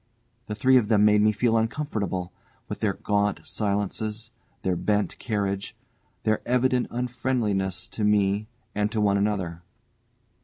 The three of them made me feel uncomfortable, with their gaunt silences, their bent carriage, their evident unfriendliness to me and to one another.